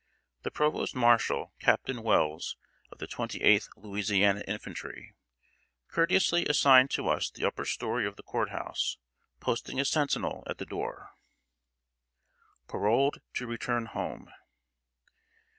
The Provost Marshal, Captain Wells, of the Twenty eighth Louisiana Infantry, courteously assigned to us the upper story of the court house, posting a sentinel at the door. [Sidenote: PAROLED TO RETURN HOME.